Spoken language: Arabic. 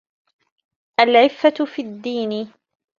الْعِفَّةُ فِي الدِّينِ